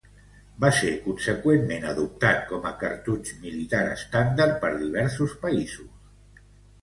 Va ser conseqüentment adoptat com a cartutx militar estàndard per diversos països.